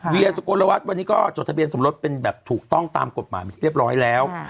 เวียสุโกนละวัดวันนี้ก็จดทะเบียนสมรสเป็นแบบถูกต้องตามกฎหมายเรียบร้อยแล้ว